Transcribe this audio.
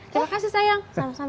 terima kasih sayang